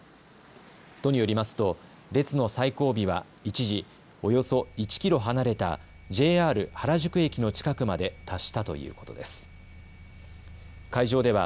都によりますと列の最後尾は一時およそ１キロ離れたＪＲ原宿駅の近くまで達したということです。